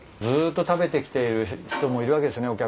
ずっと食べてきている人もいるわけですよね？